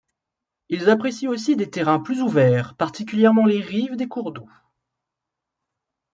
Ils apprécient aussi des terrains plus ouverts, particulièrement les rives des cours d'eau.